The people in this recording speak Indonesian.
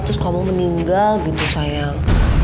terus kamu meninggal gitu sayang